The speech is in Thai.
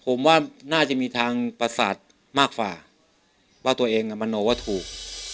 ผมว่าน่าจะมีทางประสาทมากกว่าว่าตัวเองอ่ะมโนว่าถูก